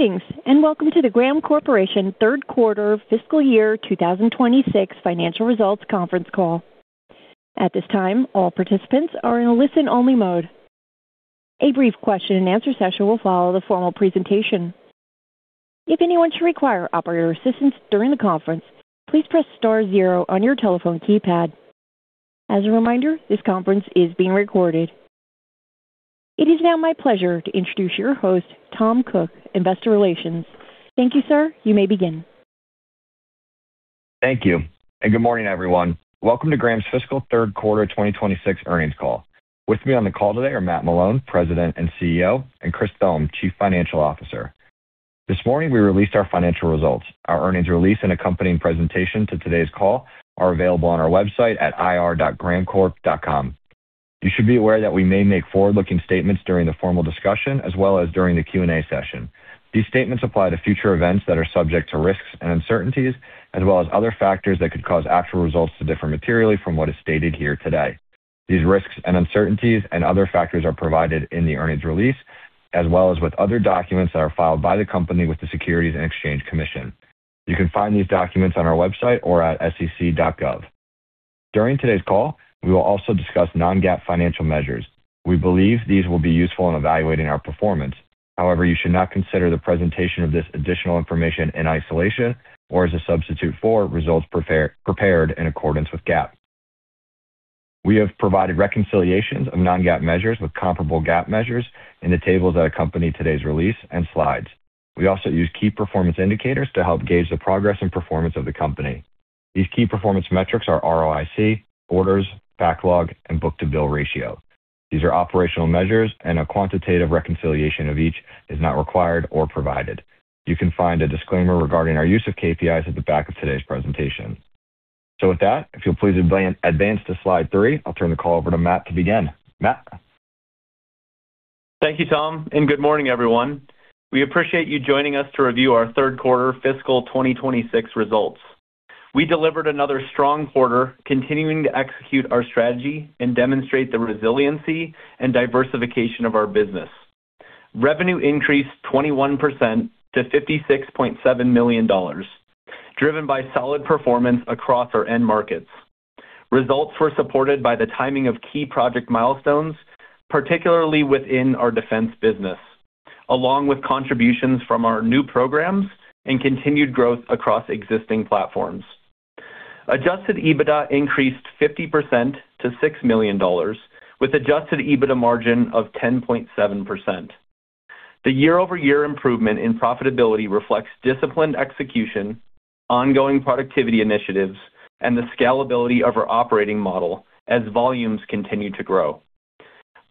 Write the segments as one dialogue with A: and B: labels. A: Greetings, and welcome to the Graham Corporation third quarter fiscal year 2026 financial results conference call. At this time, all participants are in a listen-only mode. A brief question-and-answer session will follow the formal presentation. If anyone should require operator assistance during the conference, please press star zero on your telephone keypad. As a reminder, this conference is being recorded. It is now my pleasure to introduce your host, Tom Cook, Investor Relations. Thank you, sir. You may begin.
B: Thank you, and good morning, everyone. Welcome to Graham's fiscal third quarter 2026 earnings call. With me on the call today are Matt Malone, President and CEO, and Chris Thome, Chief Financial Officer. This morning, we released our financial results. Our earnings release and accompanying presentation to today's call are available on our website at ir.grahamcorp.com. You should be aware that we may make forward-looking statements during the formal discussion as well as during the Q&A session. These statements apply to future events that are subject to risks and uncertainties, as well as other factors that could cause actual results to differ materially from what is stated here today. These risks and uncertainties and other factors are provided in the earnings release, as well as with other documents that are filed by the company with the Securities and Exchange Commission. You can find these documents on our website or at sec.gov. During today's call, we will also discuss non-GAAP financial measures. We believe these will be useful in evaluating our performance. However, you should not consider the presentation of this additional information in isolation or as a substitute for results prepared in accordance with GAAP. We have provided reconciliations of non-GAAP measures with comparable GAAP measures in the tables that accompany today's release and slides. We also use key performance indicators to help gauge the progress and performance of the company. These key performance metrics are ROIC, orders, backlog, and book-to-bill ratio. These are operational measures, and a quantitative reconciliation of each is not required or provided. You can find a disclaimer regarding our use of KPIs at the back of today's presentation. So with that, if you'll please advance to slide three, I'll turn the call over to Matt to begin. Matt?
C: Thank you, Tom, and good morning, everyone. We appreciate you joining us to review our third quarter fiscal 2026 results. We delivered another strong quarter, continuing to execute our strategy and demonstrate the resiliency and diversification of our business. Revenue increased 21% to $56.7 million, driven by solid performance across our end markets. Results were supported by the timing of key project milestones, particularly within our defense business, along with contributions from our new programs and continued growth across existing platforms. Adjusted EBITDA increased 50% to $6 million, with adjusted EBITDA margin of 10.7%. The year-over-year improvement in profitability reflects disciplined execution, ongoing productivity initiatives, and the scalability of our operating model as volumes continue to grow.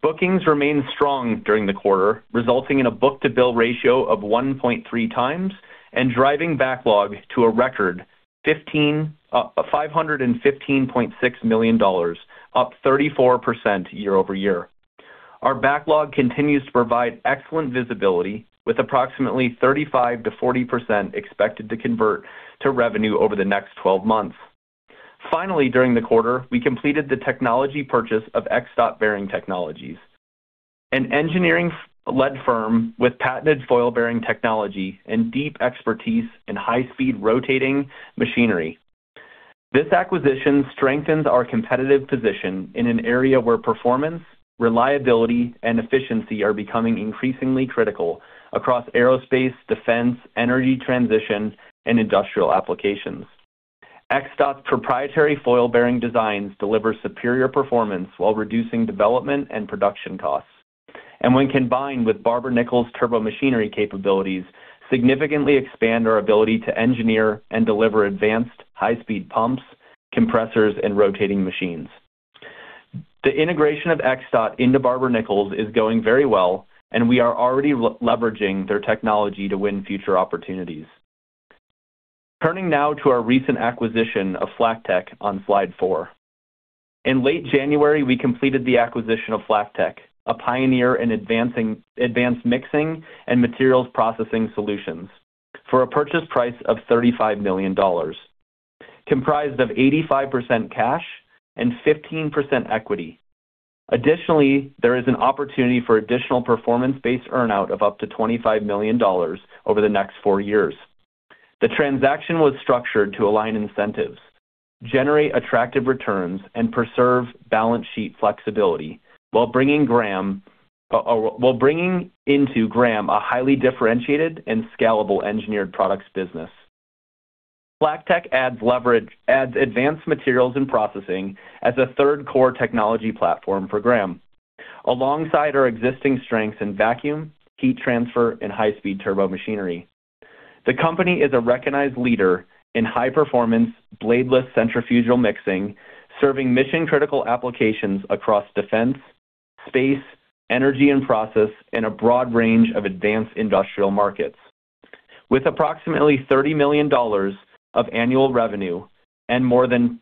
C: Bookings remained strong during the quarter, resulting in a book-to-bill ratio of 1.3x and driving backlog to a record $515.6 million, up 34% year-over-year. Our backlog continues to provide excellent visibility, with approximately 35%-40% expected to convert to revenue over the next 12 months. Finally, during the quarter, we completed the technology purchase of XDot Bearing Technologies, an engineering-led firm with patented foil-bearing technology and deep expertise in high-speed rotating machinery. This acquisition strengthens our competitive position in an area where performance, reliability, and efficiency are becoming increasingly critical across aerospace, defense, energy transition, and industrial applications. XDot's proprietary foil bearing designs deliver superior performance while reducing development and production costs, and when combined with Barber-Nichols turbomachinery capabilities, significantly expand our ability to engineer and deliver advanced high-speed pumps, compressors, and rotating machines. The integration of XDot into Barber-Nichols is going very well, and we are already leveraging their technology to win future opportunities. Turning now to our recent acquisition of FlackTek on slide four. In late January, we completed the acquisition of FlackTek, a pioneer in advanced mixing and materials processing solutions, for a purchase price of $35 million, comprised of 85% cash and 15% equity. Additionally, there is an opportunity for additional performance-based earn-out of up to $25 million over the next four years. The transaction was structured to align incentives, generate attractive returns, and preserve balance sheet flexibility while bringing into Graham a highly differentiated and scalable engineered products business. FlackTek adds advanced materials and processing as a third core technology platform for Graham, alongside our existing strengths in vacuum, heat transfer, and high-speed turbomachinery. The company is a recognized leader in high-performance, bladeless centrifugal mixing, serving mission-critical applications across defense, space, energy, and process in a broad range of advanced industrial markets. With approximately $30 million of annual revenue and more than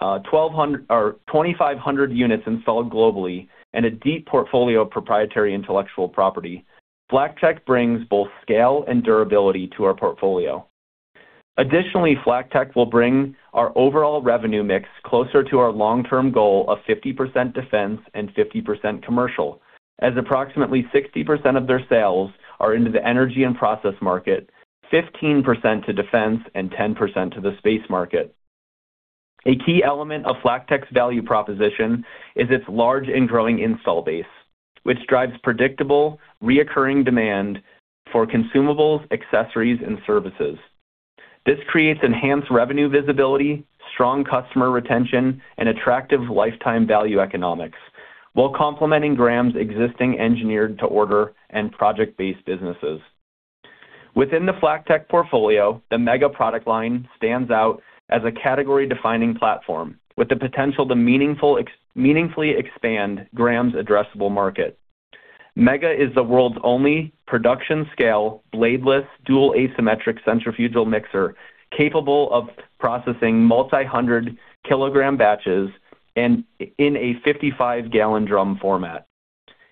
C: 1,200 or 2,500 units installed globally and a deep portfolio of proprietary intellectual property, FlackTek brings both scale and durability to our portfolio. Additionally, FlackTek will bring our overall revenue mix closer to our long-term goal of 50% defense and 50% commercial, as approximately 60% of their sales are into the energy and process market, 15% to defense, and 10% to the space market. A key element of FlackTek's value proposition is its large and growing installed base, which drives predictable, recurring demand for consumables, accessories, and services. This creates enhanced revenue visibility, strong customer retention, and attractive lifetime value economics, while complementing Graham's existing engineered-to-order and project-based businesses. Within the FlackTek portfolio, the Mega product line stands out as a category-defining platform with the potential to meaningful, meaningfully expand Graham's addressable market. Mega is the world's only production-scale, bladeless, dual asymmetric centrifugal mixer, capable of processing multi-hundred kilogram batches and in a 55-gallon drum format.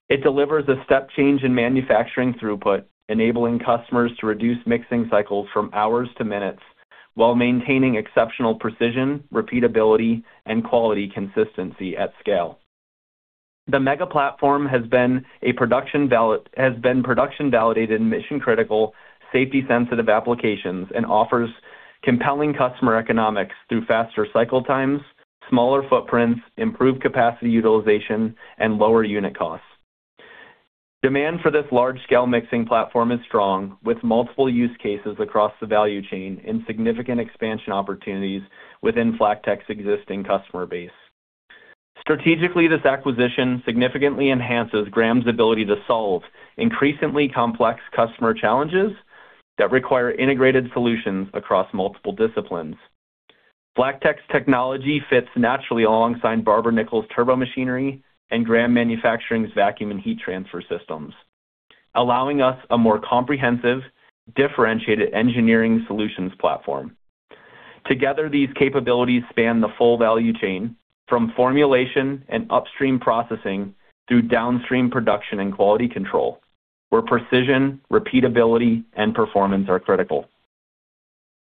C: It delivers a step change in manufacturing throughput, enabling customers to reduce mixing cycles from hours to minutes, while maintaining exceptional precision, repeatability, and quality consistency at scale. The Mega platform has been production-validated in mission-critical, safety-sensitive applications and offers compelling customer economics through faster cycle times, smaller footprints, improved capacity utilization, and lower unit costs. Demand for this large-scale mixing platform is strong, with multiple use cases across the value chain and significant expansion opportunities within FlackTek's existing customer base. Strategically, this acquisition significantly enhances Graham's ability to solve increasingly complex customer challenges that require integrated solutions across multiple disciplines. FlackTek's technology fits naturally alongside Barber-Nichols turbomachinery and Graham Manufacturing's vacuum and heat transfer systems, allowing us a more comprehensive, differentiated engineering solutions platform. Together, these capabilities span the full value chain, from formulation and upstream processing through downstream production and quality control, where precision, repeatability, and performance are critical.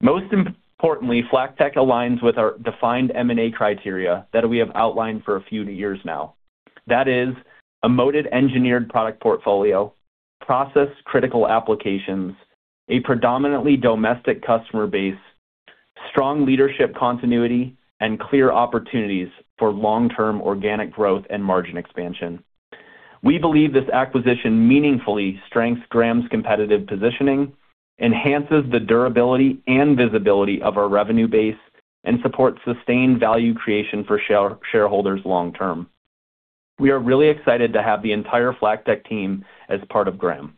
C: Most importantly, FlackTek aligns with our defined M&A criteria that we have outlined for a few years now. That is, a moated engineered product portfolio, process-critical applications, a predominantly domestic customer base, strong leadership continuity, and clear opportunities for long-term organic growth and margin expansion. We believe this acquisition meaningfully strengthens Graham's competitive positioning, enhances the durability and visibility of our revenue base, and supports sustained value creation for shareholders long term. We are really excited to have the entire FlackTek team as part of Graham.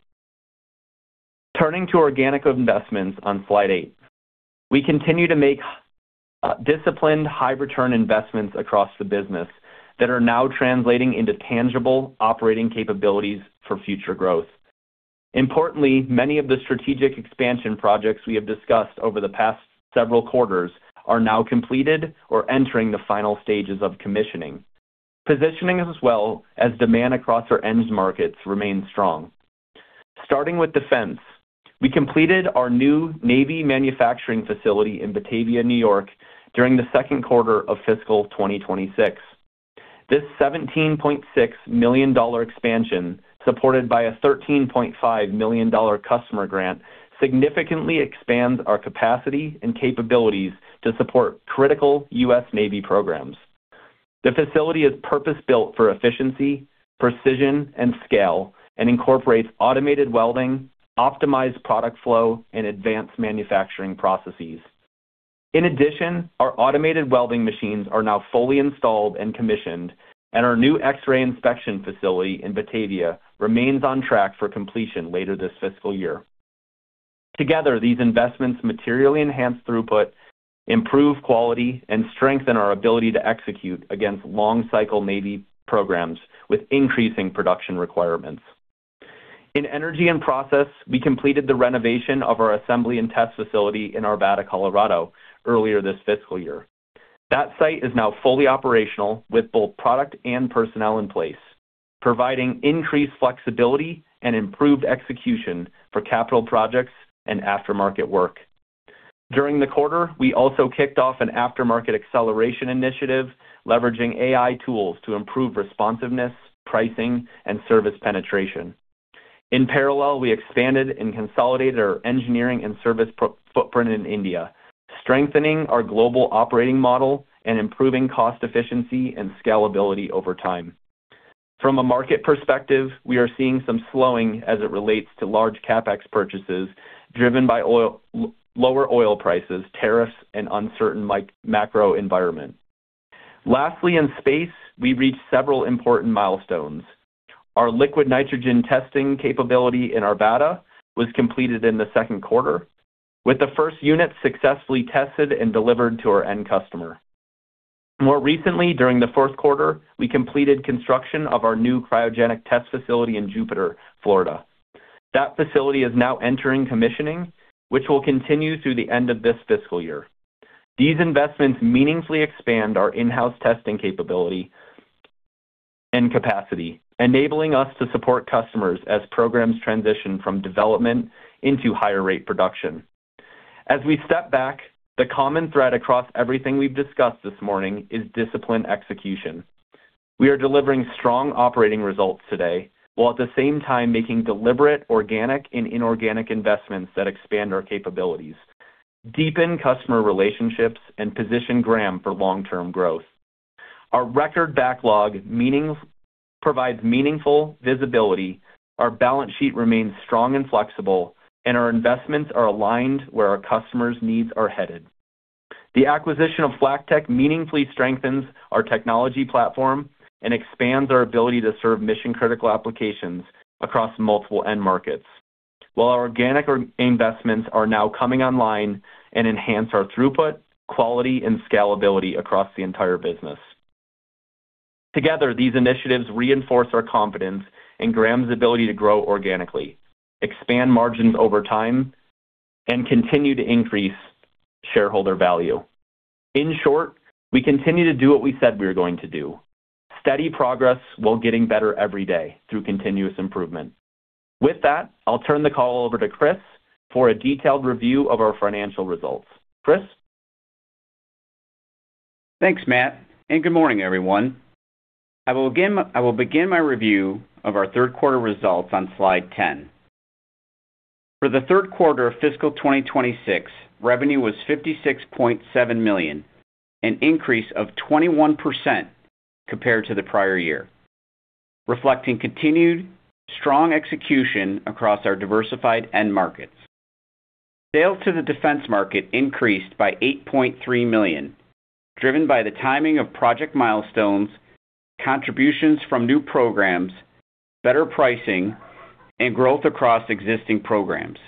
C: Turning to organic investments on Slide 8. We continue to make disciplined, high-return investments across the business that are now translating into tangible operating capabilities for future growth. Importantly, many of the strategic expansion projects we have discussed over the past several quarters are now completed or entering the final stages of commissioning. Positioning as well as demand across our end markets remains strong. Starting with defense, we completed our new Navy manufacturing facility in Batavia, New York, during the second quarter of fiscal 2026. This $17.6 million expansion, supported by a $13.5 million customer grant, significantly expands our capacity and capabilities to support critical U.S. Navy programs. The facility is purpose-built for efficiency, precision, and scale and incorporates automated welding, optimized product flow, and advanced manufacturing processes. In addition, our automated welding machines are now fully installed and commissioned, and our new X-ray inspection facility in Batavia remains on track for completion later this fiscal year. Together, these investments materially enhance throughput, improve quality, and strengthen our ability to execute against long-cycle Navy programs with increasing production requirements. In energy and process, we completed the renovation of our assembly and test facility in Arvada, Colorado, earlier this fiscal year. That site is now fully operational, with both product and personnel in place, providing increased flexibility and improved execution for capital projects and aftermarket work. During the quarter, we also kicked off an aftermarket acceleration initiative, leveraging AI tools to improve responsiveness, pricing, and service penetration. In parallel, we expanded and consolidated our engineering and service presence footprint in India, strengthening our global operating model and improving cost efficiency and scalability over time. From a market perspective, we are seeing some slowing as it relates to large CapEx purchases, driven by lower oil prices, tariffs, and uncertain like macro environment. Lastly, in space, we reached several important milestones. Our liquid nitrogen testing capability in Arvada was completed in the second quarter, with the first unit successfully tested and delivered to our end customer. More recently, during the fourth quarter, we completed construction of our new cryogenic test facility in Jupiter, Florida. That facility is now entering commissioning, which will continue through the end of this fiscal year. These investments meaningfully expand our in-house testing capability and capacity, enabling us to support customers as programs transition from development into higher rate production. As we step back, the common thread across everything we've discussed this morning is disciplined execution. We are delivering strong operating results today, while at the same time making deliberate, organic, and inorganic investments that expand our capabilities, deepen customer relationships, and position Graham for long-term growth. Our record backlog means provides meaningful visibility, our balance sheet remains strong and flexible, and our investments are aligned where our customers' needs are headed. The acquisition of FlackTek meaningfully strengthens our technology platform and expands our ability to serve mission-critical applications across multiple end markets. While our organic investments are now coming online and enhance our throughput, quality, and scalability across the entire business. Together, these initiatives reinforce our confidence in Graham's ability to grow organically, expand margins over time, and continue to increase shareholder value. In short, we continue to do what we said we were going to do: steady progress while getting better every day through continuous improvement. With that, I'll turn the call over to Chris for a detailed review of our financial results. Chris?
D: Thanks, Matt, and good morning, everyone. I will begin my review of our third quarter results on slide 10. For the third quarter of fiscal 2026, revenue was $56.7 million, an increase of 21% compared to the prior year, reflecting continued strong execution across our diversified end markets. Sales to the defense market increased by $8.3 million, driven by the timing of project milestones, contributions from new programs, better pricing, and growth across existing programs.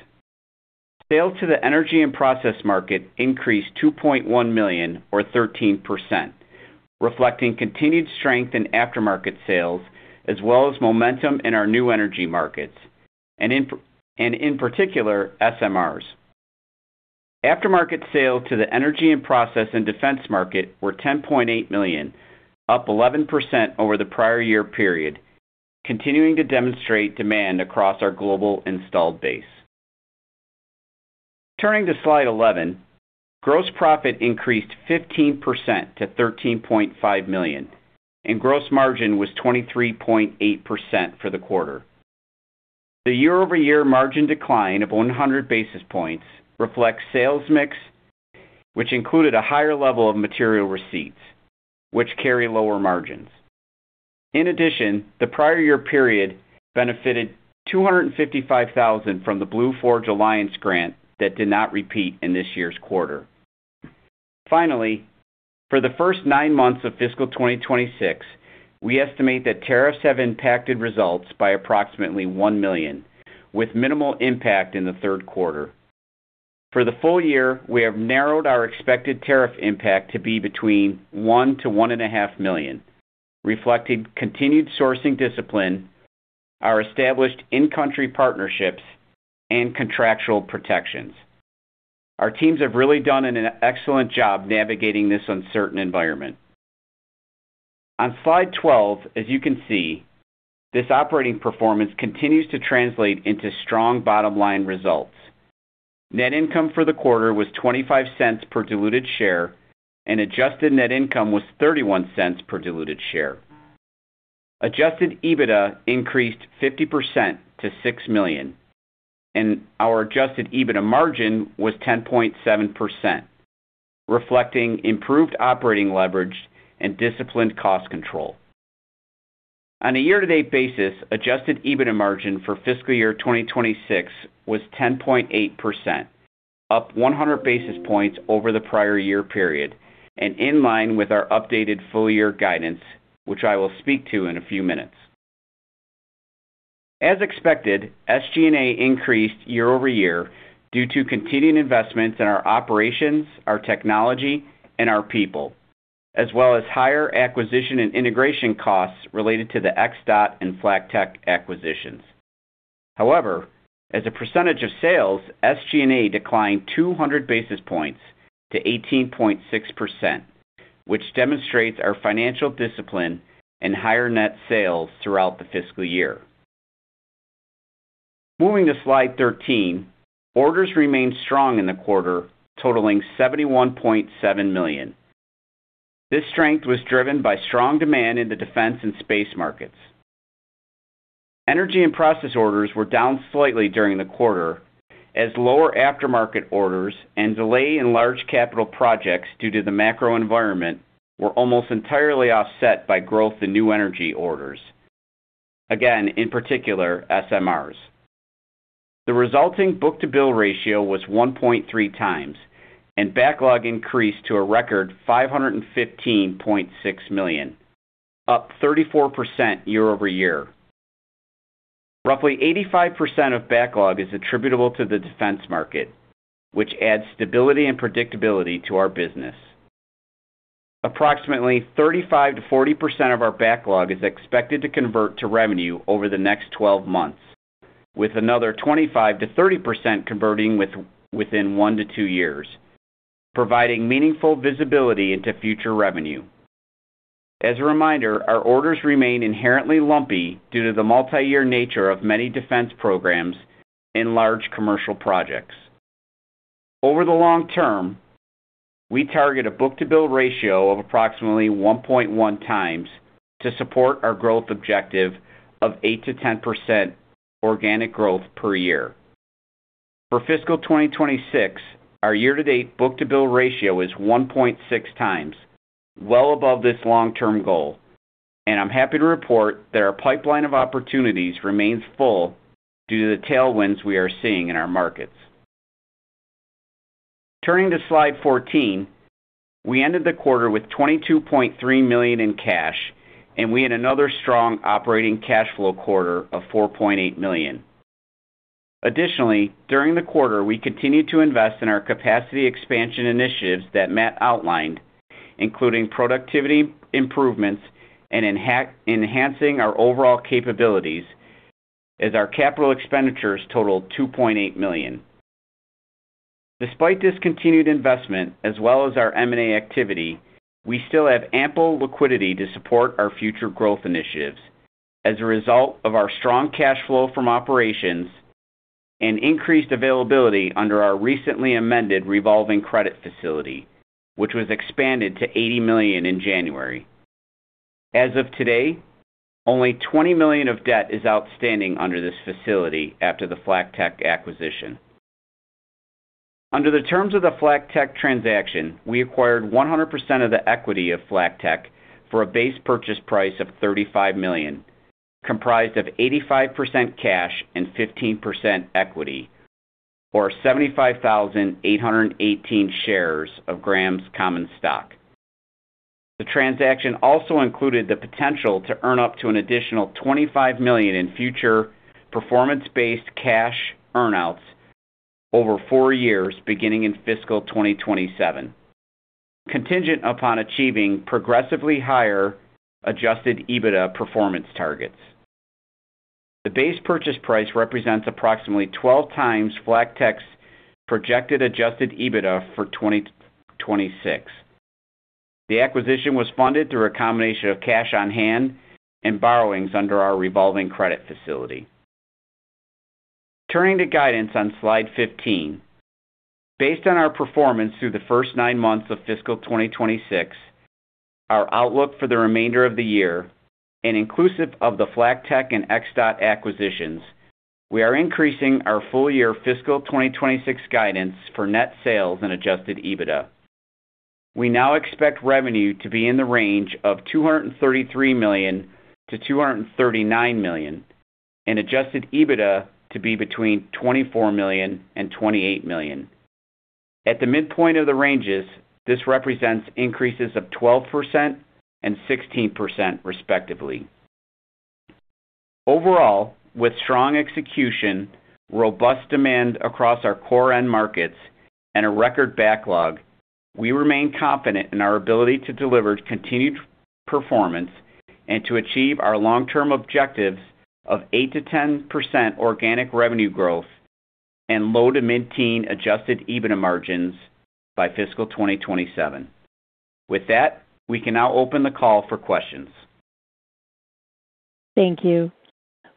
D: Sales to the energy and process market increased $2.1 million, or 13%, reflecting continued strength in aftermarket sales, as well as momentum in our new energy markets, and in particular, SMRs. Aftermarket sales to the energy and process and defense market were $10.8 million, up 11% over the prior year period, continuing to demonstrate demand across our global installed base. Turning to slide 11, gross profit increased 15% to $13.5 million, and gross margin was 23.8% for the quarter. The year-over-year margin decline of 100 basis points reflects sales mix, which included a higher level of material receipts, which carry lower margins. In addition, the prior year period benefited $255,000 from the Blue Forge Alliance grant that did not repeat in this year's quarter. Finally, for the first nine months of fiscal 2026, we estimate that tariffs have impacted results by approximately $1 million, with minimal impact in the third quarter. For the full year, we have narrowed our expected tariff impact to be between $1 million-$1.5 million, reflecting continued sourcing discipline, our established in-country partnerships, and contractual protections. Our teams have really done an excellent job navigating this uncertain environment. On slide 12, as you can see, this operating performance continues to translate into strong bottom line results. Net income for the quarter was $0.25 per diluted share, and adjusted net income was $0.31 per diluted share. Adjusted EBITDA increased 50% to $6 million, and our adjusted EBITDA margin was 10.7%, reflecting improved operating leverage and disciplined cost control. On a year-to-date basis, adjusted EBITDA margin for fiscal year 2026 was 10.8%, up 100 basis points over the prior year period and in line with our updated full year guidance, which I will speak to in a few minutes. As expected, SG&A increased year-over-year due to continuing investments in our operations, our technology, and our people, as well as higher acquisition and integration costs related to the XDot and FlackTek acquisitions. However, as a percentage of sales, SG&A declined 200 basis points to 18.6%, which demonstrates our financial discipline and higher net sales throughout the fiscal year. Moving to slide 13, orders remained strong in the quarter, totaling $71.7 million. This strength was driven by strong demand in the defense and space markets. Energy and process orders were down slightly during the quarter, as lower aftermarket orders and delay in large capital projects due to the macro environment were almost entirely offset by growth in new energy orders. Again, in particular, SMRs. The resulting book-to-bill ratio was 1.3x, and backlog increased to a record $515.6 million, up 34% year-over-year. Roughly 85% of backlog is attributable to the defense market, which adds stability and predictability to our business. Approximately 35%-40% of our backlog is expected to convert to revenue over the next 12 months, with another 25%-30% converting within one to two years, providing meaningful visibility into future revenue. As a reminder, our orders remain inherently lumpy due to the multi-year nature of many defense programs and large commercial projects. Over the long term, we target a book-to-bill ratio of approximately 1.1x to support our growth objective of 8%-10% organic growth per year. For fiscal 2026, our year-to-date book-to-bill ratio is 1.6x, well above this long-term goal, and I'm happy to report that our pipeline of opportunities remains full due to the tailwinds we are seeing in our markets. Turning to slide 14, we ended the quarter with $22.3 million in cash, and we had another strong operating cash flow quarter of $4.8 million. Additionally, during the quarter, we continued to invest in our capacity expansion initiatives that Matt outlined, including productivity improvements and enhancing our overall capabilities, as our capital expenditures totaled $2.8 million. Despite this continued investment, as well as our M&A activity, we still have ample liquidity to support our future growth initiatives as a result of our strong cash flow from operations and increased availability under our recently amended revolving credit facility, which was expanded to $80 million in January. As of today, only $20 million of debt is outstanding under this facility after the FlackTek acquisition. Under the terms of the FlackTek transaction, we acquired 100% of the equity of FlackTek for a base purchase price of $35 million, comprised of 85% cash and 15% equity, or 75,818 shares of Graham's common stock. The transaction also included the potential to earn up to an additional $25 million in future performance-based cash earn outs over four years, beginning in fiscal 2027, contingent upon achieving progressively higher adjusted EBITDA performance targets. The base purchase price represents approximately 12x FlackTek's projected adjusted EBITDA for 2026. The acquisition was funded through a combination of cash on hand and borrowings under our revolving credit facility. Turning to guidance on slide 15. Based on our performance through the first nine months of fiscal 2026, our outlook for the remainder of the year, and inclusive of the FlackTek and XDot acquisitions, we are increasing our full-year fiscal 2026 guidance for net sales and adjusted EBITDA. We now expect revenue to be in the range of $233 million-$239 million, and adjusted EBITDA to be between $24 million and $28 million. At the midpoint of the ranges, this represents increases of 12% and 16%, respectively. Overall, with strong execution, robust demand across our core end markets, and a record backlog, we remain confident in our ability to deliver continued performance and to achieve our long-term objectives of 8%-10% organic revenue growth and low to mid-teen adjusted EBITDA margins by fiscal 2027. With that, we can now open the call for questions.
A: Thank you.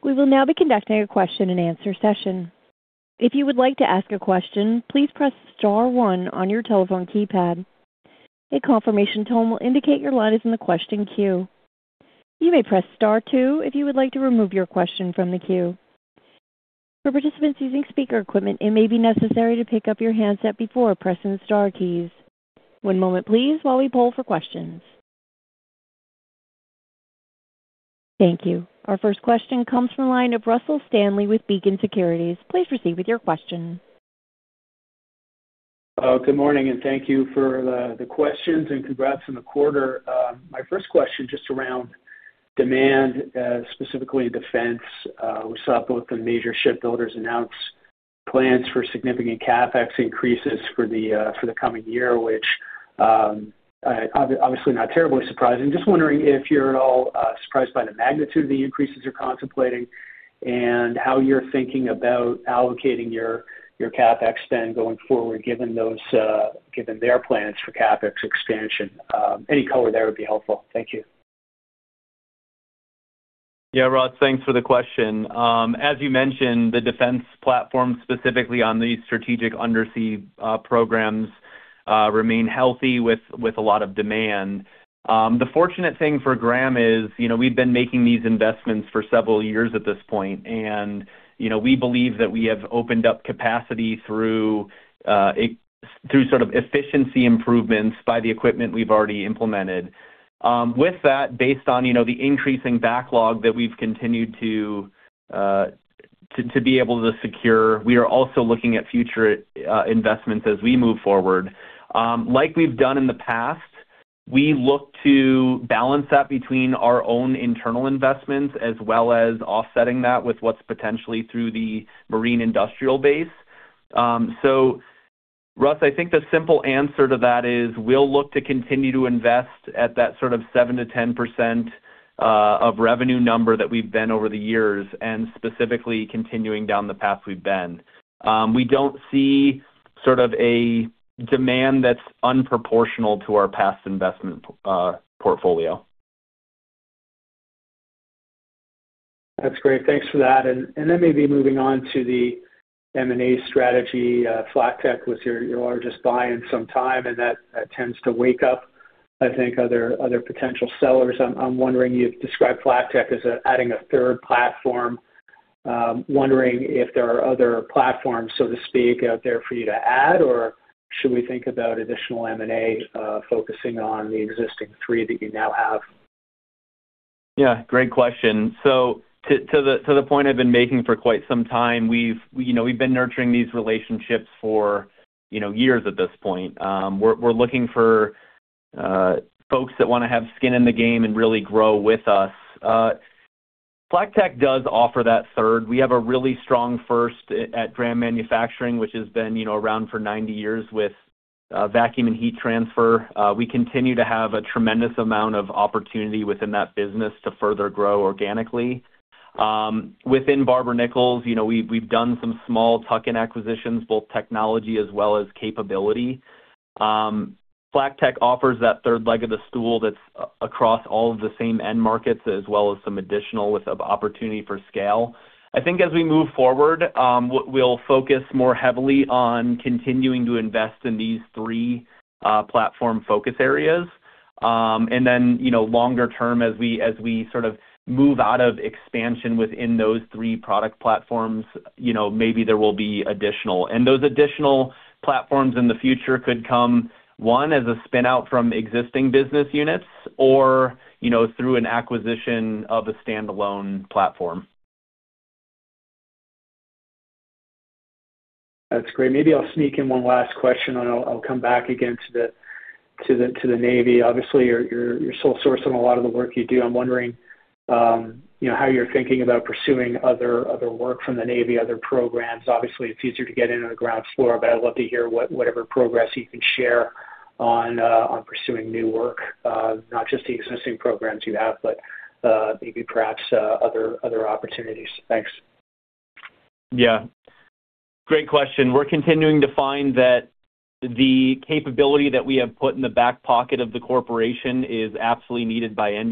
A: We will now be conducting a question-and-answer session. If you would like to ask a question, please press star one on your telephone keypad. A confirmation tone will indicate your line is in the question queue. You may press star two if you would like to remove your question from the queue. For participants using speaker equipment, it may be necessary to pick up your handset before pressing the star keys. One moment please while we poll for questions. Thank you. Our first question comes from the line of Russell Stanley with Beacon Securities. Please proceed with your question.
E: Good morning, and thank you for the questions, and congrats on the quarter. My first question, just around demand, specifically in defense. We saw both the major shipbuilders announce plans for significant CapEx increases for the coming year, which obviously not terribly surprising. Just wondering if you're at all surprised by the magnitude of the increases you're contemplating and how you're thinking about allocating your CapEx spend going forward, given their plans for CapEx expansion. Any color there would be helpful. Thank you.
D: Yeah, Russ, thanks for the question. As you mentioned, the defense platform, specifically on these strategic undersea programs, remain healthy with a lot of demand. The fortunate thing for Graham is, you know, we've been making these investments for several years at this point, and, you know, we believe that we have opened up capacity through sort of efficiency improvements by the equipment we've already implemented. With that, based on, you know, the increasing backlog that we've continued to be able to secure, we are also looking at future investments as we move forward. Like we've done in the past, we look to balance that between our own internal investments as well as offsetting that with what's potentially through the marine industrial base. So, Russ, I think the simple answer to that is we'll look to continue to invest at that sort of 7%-10%.... of revenue number that we've been over the years, and specifically continuing down the path we've been. We don't see sort of a demand that's disproportional to our past investment portfolio.
E: That's great. Thanks for that. And then maybe moving on to the M&A strategy, FlackTek was your largest buy in some time, and that tends to wake up, I think, other potential sellers. I'm wondering, you've described FlackTek as adding a third platform. Wondering if there are other platforms, so to speak, out there for you to add, or should we think about additional M&A focusing on the existing three that you now have?
C: Yeah, great question. So to the point I've been making for quite some time, we've, you know, we've been nurturing these relationships for, you know, years at this point. We're looking for folks that wanna have skin in the game and really grow with us. FlackTek does offer that third. We have a really strong first at Graham Manufacturing, which has been, you know, around for 90 years with vacuum and heat transfer. We continue to have a tremendous amount of opportunity within that business to further grow organically. Within Barber-Nichols, you know, we've done some small tuck-in acquisitions, both technology as well as capability. FlackTek offers that third leg of the stool that's across all of the same end markets, as well as some additional wealth of opportunity for scale. I think as we move forward, what we'll focus more heavily on continuing to invest in these three platform focus areas. And then, you know, longer term, as we sort of move out of expansion within those three product platforms, you know, maybe there will be additional. And those additional platforms in the future could come, one, as a spin-out from existing business units or, you know, through an acquisition of a standalone platform.
E: That's great. Maybe I'll sneak in one last question, and I'll come back again to the Navy. Obviously, you're sole sourcing a lot of the work you do. I'm wondering, you know, how you're thinking about pursuing other work from the Navy, other programs. Obviously, it's easier to get in on the ground floor, but I'd love to hear whatever progress you can share on pursuing new work, not just the existing programs you have, but maybe, perhaps, other opportunities. Thanks.
C: Yeah, great question. We're continuing to find that the capability that we have put in the back pocket of the corporation is absolutely needed by end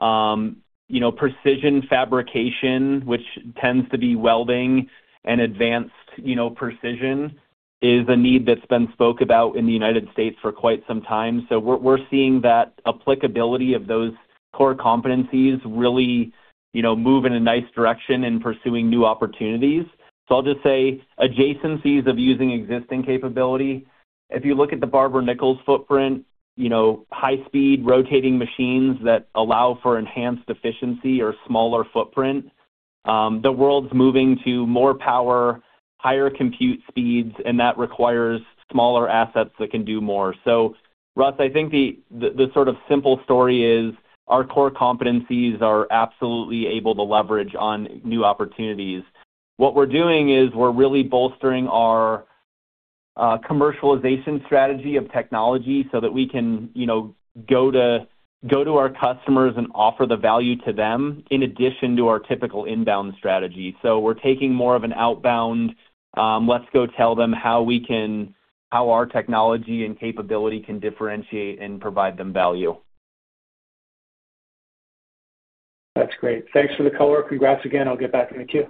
C: users. You know, precision fabrication, which tends to be welding and advanced, you know, precision, is a need that's been spoke about in the United States for quite some time. So we're seeing that applicability of those core competencies really, you know, move in a nice direction in pursuing new opportunities. So I'll just say adjacencies of using existing capability. If you look at the Barber-Nichols footprint, you know, high-speed rotating machines that allow for enhanced efficiency or smaller footprint, the world's moving to more power, higher compute speeds, and that requires smaller assets that can do more. So Russ, I think the sort of simple story is our core competencies are absolutely able to leverage on new opportunities. What we're doing is we're really bolstering our commercialization strategy of technology so that we can, you know, go to, go to our customers and offer the value to them in addition to our typical inbound strategy. So we're taking more of an outbound, let's go tell them how our technology and capability can differentiate and provide them value.
E: That's great. Thanks for the color. Congrats again. I'll get back in the queue.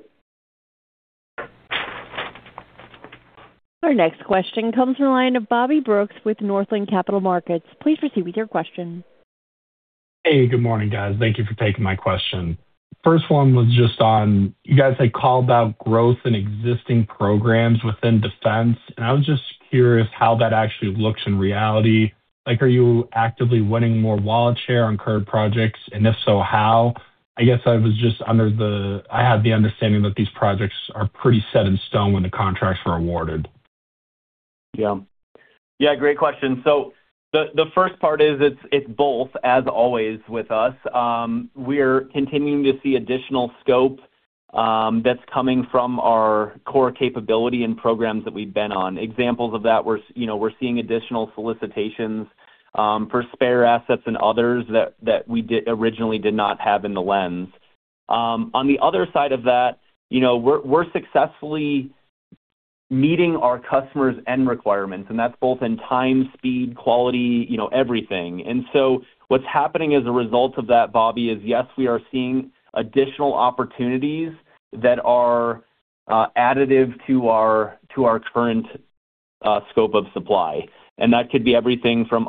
A: Our next question comes from the line of Bobby Brooks with Northland Capital Markets. Please proceed with your question.
F: Hey, good morning, guys. Thank you for taking my question. First one was just on, you guys had called out growth in existing programs within defense, and I was just curious how that actually looks in reality. Like, are you actively winning more wallet share on current projects? And if so, how? I guess I was just under the... I had the understanding that these projects are pretty set in stone when the contracts were awarded.
C: Yeah. Yeah, great question. So the first part is, it's both, as always, with us. We're continuing to see additional scope that's coming from our core capability and programs that we've been on. Examples of that, you know, we're seeing additional solicitations for spare assets and others that we originally did not have in the lens. On the other side of that, you know, we're successfully meeting our customer's end requirements, and that's both in time, speed, quality, you know, everything. And so what's happening as a result of that, Bobby, is, yes, we are seeing additional opportunities that are additive to our current scope of supply, and that could be everything from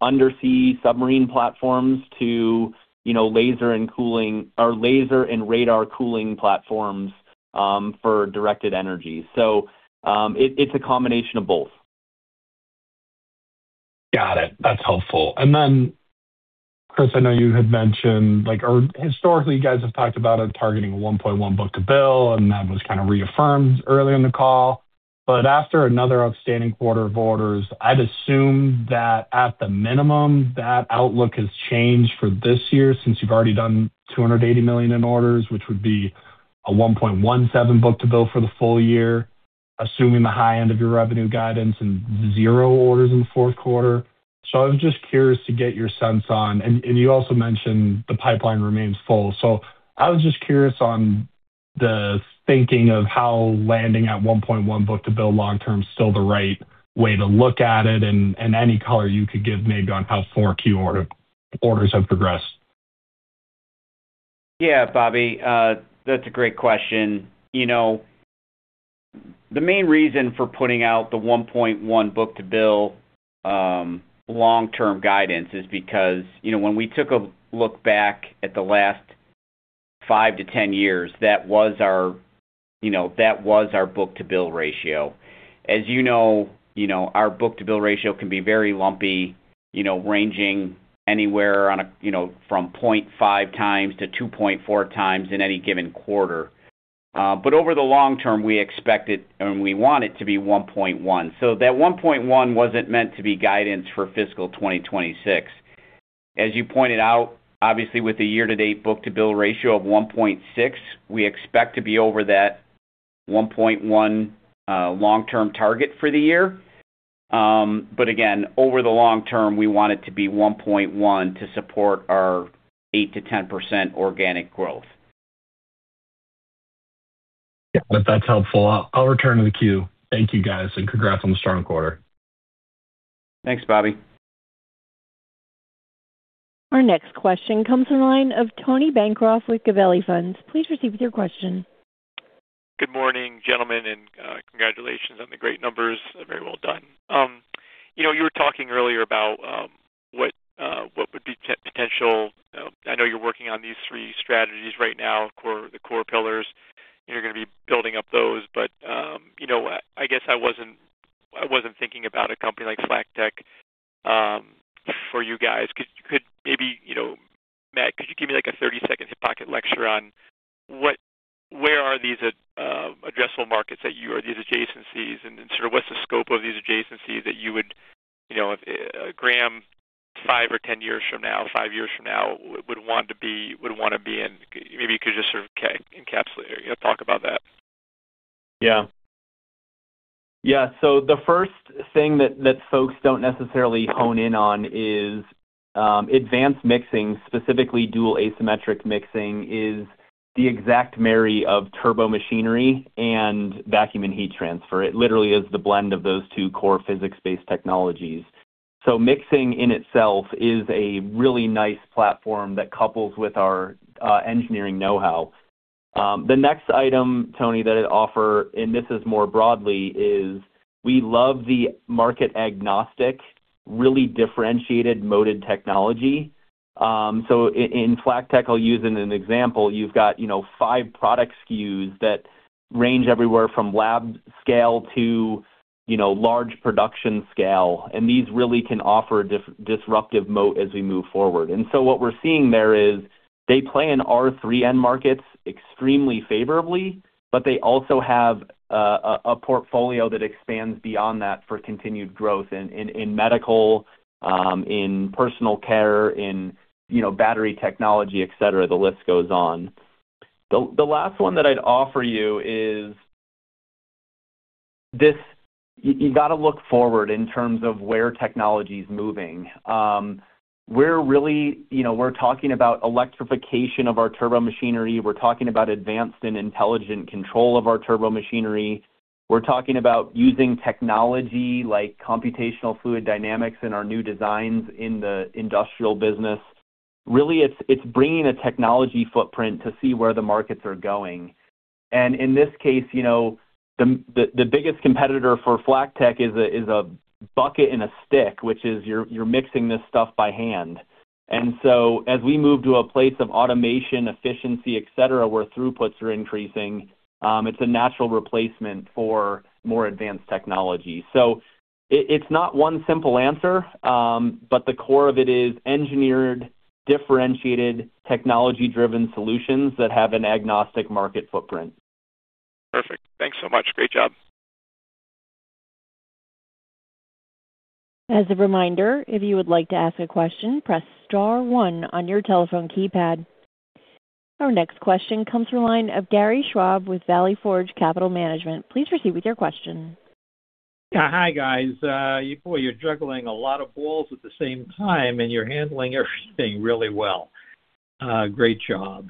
C: undersea submarine platforms to, you know, laser and cooling, or laser and radar cooling platforms for directed energy. It's a combination of both.
F: Got it. That's helpful. And then, Chris, I know you had mentioned, like or historically, you guys have talked about targeting 1.1 book to bill, and that was kind of reaffirmed earlier in the call. But after another outstanding quarter of orders, I'd assume that at the minimum, that outlook has changed for this year, since you've already done $280 million in orders, which would be a 1.17 book to bill for the full year, assuming the high end of your revenue guidance and zero orders in the fourth quarter. So I was just curious to get your sense on, and you also mentioned the pipeline remains full. So I was just curious on the thinking of how landing at 1.1 book-to-bill long term is still the right way to look at it, and any color you could give maybe on how 4Q orders have progressed.
D: Yeah, Bobby, that's a great question. You know, the main reason for putting out the 1.1 book-to-bill, long-term guidance is because, you know, when we took a look back at the last five to 10 years, that was our, you know, that was our book-to-bill ratio. As you know, you know, our book-to-bill ratio can be very lumpy, you know, ranging anywhere on a, you know, from 0.5x-2.4x in any given quarter. But over the long term, we expect it, and we want it to be 1.1. So that 1.1 wasn't meant to be guidance for fiscal 2026. As you pointed out, obviously, with the year-to-date book-to-bill ratio of 1.6, we expect to be over that 1.1 long-term target for the year. But again, over the long term, we want it to be 1.1 to support our 8%-10% organic growth.
F: Yeah, that's helpful. I'll, I'll return to the queue. Thank you, guys, and congrats on the strong quarter.
D: Thanks, Bobby.
A: Our next question comes from the line of Tony Bancroft with Gabelli Funds. Please proceed with your question.
G: Good morning, gentlemen, and, congratulations on the great numbers. Very well done. You know, you were talking earlier about, what, what would be potential... You know, I know you're working on these three strategies right now, core, the core pillars, and you're gonna be building up those. But, you know, I guess I wasn't, I wasn't thinking about a company like FlackTek, for you guys. Could, could maybe, you know, Matt, could you give me, like, a 30-second hip-pocket lecture on what- where are these, addressable markets that you or these adjacencies and then sort of what's the scope of these adjacencies that you would, you know, Graham, five or 10 years from now, five years from now, would want to be, would want to be in? Maybe you could just sort of encapsulate or, you know, talk about that.
C: Yeah. Yeah, so the first thing that folks don't necessarily hone in on is advanced mixing, specifically dual asymmetric mixing, is the exact marry of turbomachinery and vacuum and heat transfer. It literally is the blend of those two core physics-based technologies. So mixing in itself is a really nice platform that couples with our engineering know-how. The next item, Tony, that it offer, and this is more broadly, is we love the market agnostic, really differentiated, moated technology. So in FlackTek, I'll use as an example, you've got, you know, five product SKUs that range everywhere from lab scale to, you know, large production scale, and these really can offer a disruptive moat as we move forward. And so what we're seeing there is they play in our three end markets extremely favorably, but they also have a portfolio that expands beyond that for continued growth in medical, in personal care, in, you know, battery technology, et cetera. The list goes on. The last one that I'd offer you is this... You gotta look forward in terms of where technology's moving. We're really, you know, we're talking about electrification of our turbomachinery. We're talking about advanced and intelligent control of our turbomachinery. We're talking about using technology like computational fluid dynamics in our new designs in the industrial business. Really, it's bringing a technology footprint to see where the markets are going. In this case, you know, the, the biggest competitor for FlackTek is a bucket and a stick, which is, you're mixing this stuff by hand. So as we move to a place of automation, efficiency, et cetera, where throughputs are increasing, it's a natural replacement for more advanced technology. So it's not one simple answer, but the core of it is engineered, differentiated, technology-driven solutions that have an agnostic market footprint.
G: Perfect. Thanks so much. Great job.
A: As a reminder, if you would like to ask a question, press star one on your telephone keypad. Our next question comes from the line of Gary Schwab with Valley Forge Capital Management. Please proceed with your question.
H: Hi, guys. Boy, you're juggling a lot of balls at the same time, and you're handling everything really well. Great job.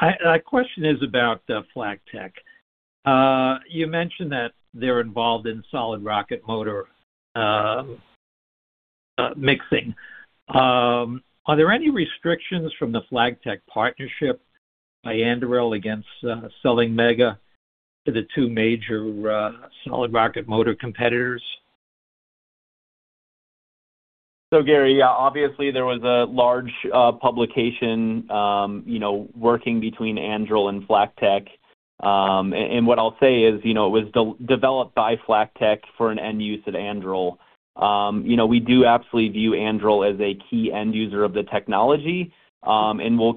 H: My question is about the FlackTek. You mentioned that they're involved in solid rocket motor mixing. Are there any restrictions from the FlackTek partnership by Anduril against selling Mega to the two major solid rocket motor competitors?
C: So, Gary, yeah, obviously there was a large publication, you know, working between Anduril and FlackTek. And what I'll say is, you know, it was developed by FlackTek for an end use at Anduril. You know, we do absolutely view Anduril as a key end user of the technology, and we'll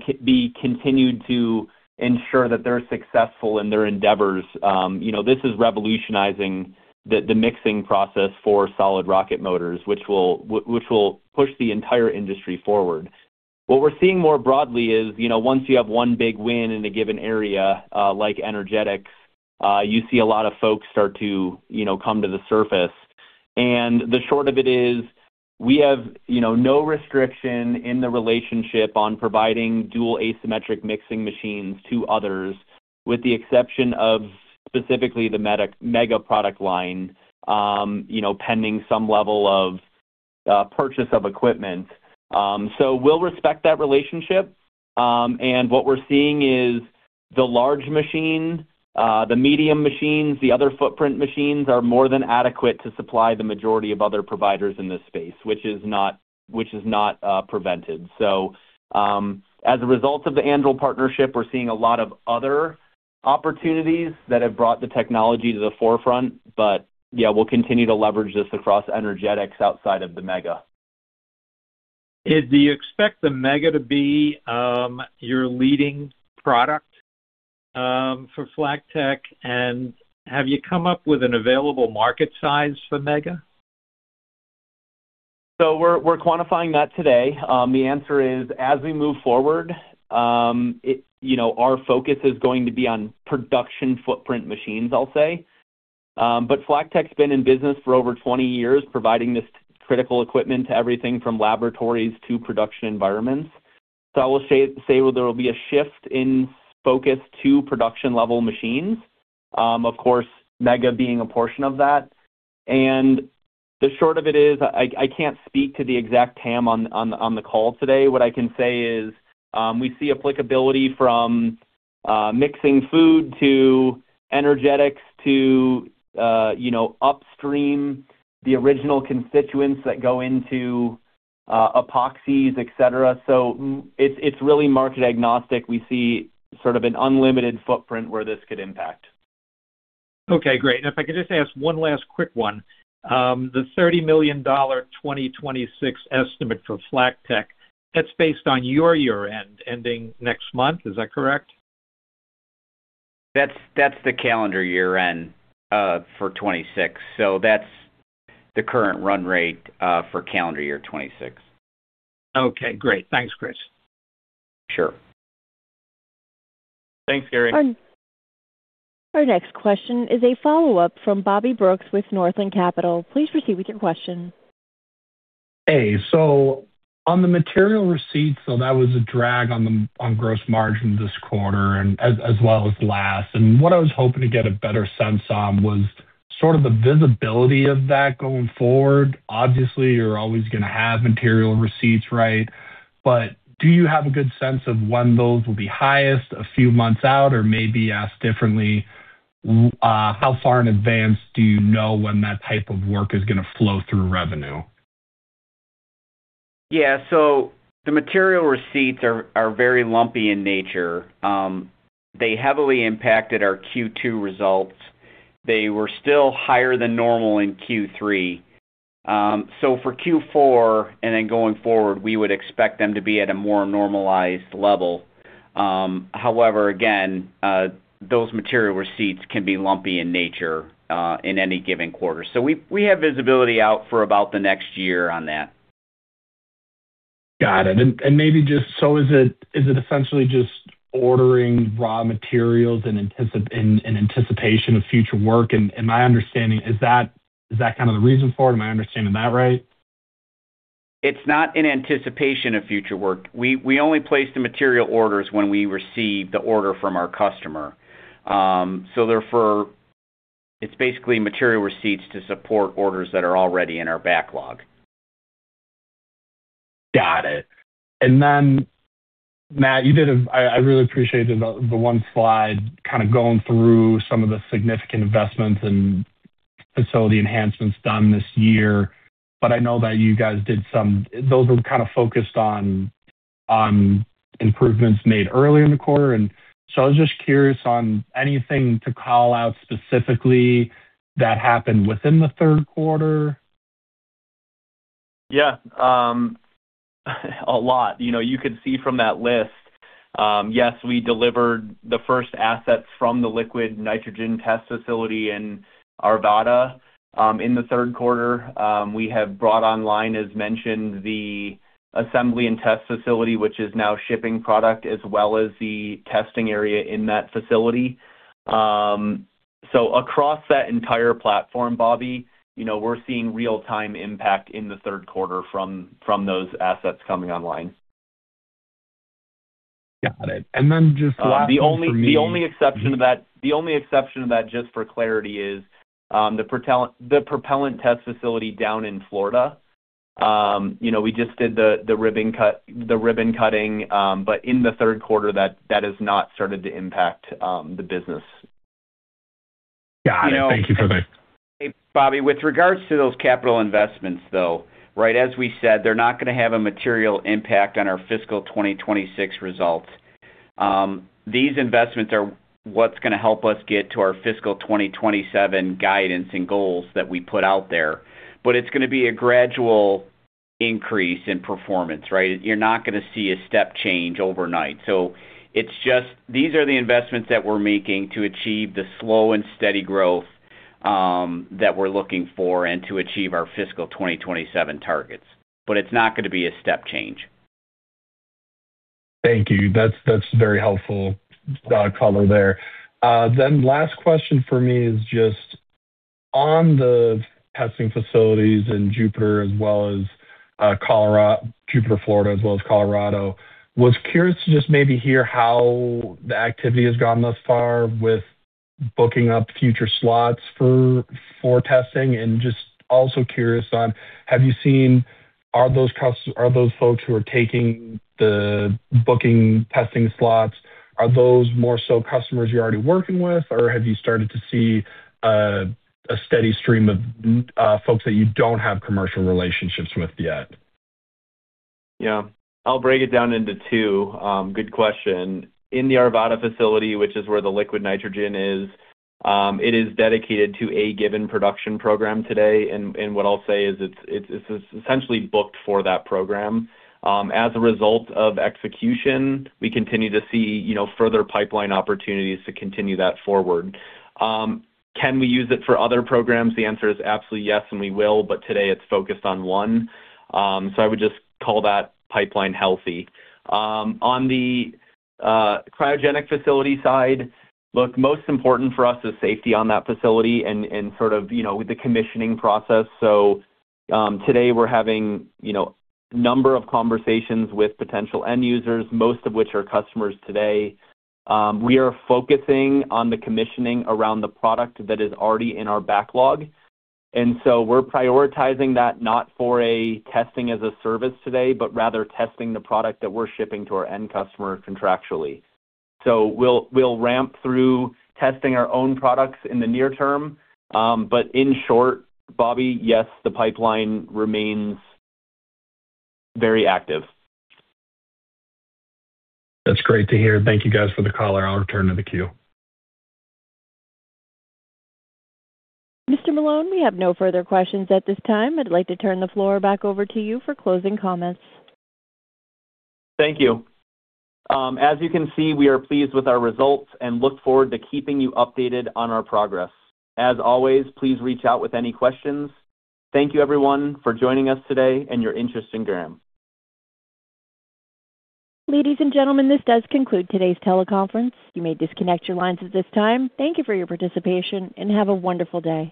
C: continue to ensure that they're successful in their endeavors. You know, this is revolutionizing the mixing process for solid rocket motors, which will push the entire industry forward. What we're seeing more broadly is, you know, once you have one big win in a given area, like energetics, you see a lot of folks start to, you know, come to the surface. And the short of it is, we have, you know, no restriction in the relationship on providing dual asymmetric mixing machines to others, with the exception of specifically the meta- mega product line, you know, pending some level of purchase of equipment. So we'll respect that relationship. And what we're seeing is the large machines, the medium machines, the other footprint machines, are more than adequate to supply the majority of other providers in this space, which is not, which is not prevented. So, as a result of the Anduril partnership, we're seeing a lot of other opportunities that have brought the technology to the forefront. But yeah, we'll continue to leverage this across energetics outside of the Mega.
H: And do you expect the Mega to be your leading product for FlackTek? And have you come up with an available market size for Mega?
C: So we're quantifying that today. The answer is, as we move forward, you know, our focus is going to be on production footprint machines, I'll say. But FlackTek's been in business for over 20 years, providing this critical equipment to everything from laboratories to production environments. So I will say there will be a shift in focus to production-level machines, of course, Mega being a portion of that. And the short of it is, I can't speak to the exact TAM on the call today. What I can say is, we see applicability from mixing food to energetics to, you know, upstream, the original constituents that go into epoxies, et cetera. So it's really market-agnostic. We see sort of an unlimited footprint where this could impact.
H: Okay, great. And if I could just ask one last quick one. The $30 million 2026 estimate for FlackTek, that's based on your year-end, ending next month. Is that correct?
D: That's, that's the calendar year-end for 2026. So that's the current run rate for calendar year 2026.
H: Okay, great. Thanks, Chris.
D: Sure.
C: Thanks, Gary.
A: Our next question is a follow-up from Bobby Brooks with Northland Capital Markets. Please proceed with your question.
F: Hey, so on the material receipts, so that was a drag on the, on gross margin this quarter and as, as well as last. And what I was hoping to get a better sense on was sort of the visibility of that going forward. Obviously, you're always gonna have material receipts, right? But do you have a good sense of when those will be highest, a few months out, or maybe asked differently, how far in advance do you know when that type of work is gonna flow through revenue?
D: Yeah. So the material receipts are very lumpy in nature. They heavily impacted our Q2 results. They were still higher than normal in Q3. So for Q4 and then going forward, we would expect them to be at a more normalized level. However, again, those material receipts can be lumpy in nature in any given quarter. So we have visibility out for about the next year on that.
F: Got it. And maybe just so is it essentially just ordering raw materials in anticipation of future work? And my understanding is that kind of the reason for it? Am I understanding that right?
D: It's not in anticipation of future work. We only place the material orders when we receive the order from our customer. So therefore, it's basically material receipts to support orders that are already in our backlog.
F: Got it. And then, Matt, I really appreciate the one slide kind of going through some of the significant investments and facility enhancements done this year, but I know that you guys did some. Those were kind of focused on improvements made earlier in the quarter. And so I was just curious on anything to call out specifically that happened within the third quarter.
C: Yeah. A lot. You know, you could see from that list, yes, we delivered the first assets from the liquid nitrogen test facility in Arvada, in the third quarter. We have brought online, as mentioned, the assembly and test facility, which is now shipping product, as well as the testing area in that facility. So across that entire platform, Bobby, you know, we're seeing real-time impact in the third quarter from those assets coming online.
F: Got it. And then just lastly for me-
C: The only exception to that, just for clarity, is the propellant test facility down in Florida. You know, we just did the ribbon cutting, but in the third quarter, that has not started to impact the business.
F: Got it. Thank you for that.
D: Bobby, with regards to those capital investments, though, right? As we said, they're not gonna have a material impact on our fiscal 2026 results. These investments are what's gonna help us get to our fiscal 2027 guidance and goals that we put out there, but it's gonna be a gradual increase in performance, right? You're not gonna see a step change overnight. So it's just... These are the investments that we're making to achieve the slow and steady growth. ... that we're looking for and to achieve our fiscal 2027 targets, but it's not gonna be a step change.
F: Thank you. That's, that's very helpful, color there. Then last question for me is just on the testing facilities in Jupiter, as well as, Jupiter, Florida, as well as Colorado. Was curious to just maybe hear how the activity has gone thus far with booking up future slots for testing, and just also curious on, are those folks who are taking the booking testing slots, are those more so customers you're already working with? Or have you started to see a steady stream of folks that you don't have commercial relationships with yet?
C: Yeah. I'll break it down into two. Good question. In the Arvada facility, which is where the liquid nitrogen is, it is dedicated to a given production program today, and what I'll say is it's essentially booked for that program. As a result of execution, we continue to see, you know, further pipeline opportunities to continue that forward. Can we use it for other programs? The answer is absolutely yes, and we will, but today it's focused on one. So I would just call that pipeline healthy. On the cryogenic facility side, look, most important for us is safety on that facility and sort of, you know, with the commissioning process. So, today we're having, you know, number of conversations with potential end users, most of which are customers today. We are focusing on the commissioning around the product that is already in our backlog, and so we're prioritizing that not for a testing as a service today, but rather testing the product that we're shipping to our end customer contractually. So we'll, we'll ramp through testing our own products in the near term. But in short, Bobby, yes, the pipeline remains very active.
F: That's great to hear. Thank you, guys, for the color. I'll return to the queue.
A: Mr. Malone, we have no further questions at this time. I'd like to turn the floor back over to you for closing comments.
C: Thank you. As you can see, we are pleased with our results and look forward to keeping you updated on our progress. As always, please reach out with any questions. Thank you, everyone, for joining us today and your interest in Graham.
A: Ladies and gentlemen, this does conclude today's teleconference. You may disconnect your lines at this time. Thank you for your participation, and have a wonderful day.